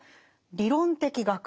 「理論的学」